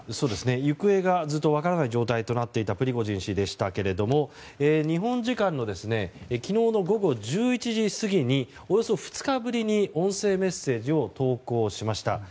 行方が、ずっと分からない状態となっていたプリゴジン氏でしたけれども日本時間の昨日の午後１１時過ぎおよそ２日ぶりに音声メッセージを投稿しました。